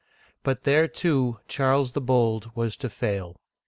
But there, too, Charles the Bold was to fail.